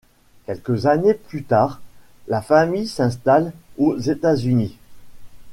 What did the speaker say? Quelques années plus tard, la famille s'installe aux États-Unis.